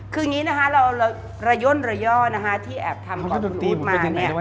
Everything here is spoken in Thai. คืออย่างนี้เราย่อนที่แอบทำก่อนคุณอุ๊บมา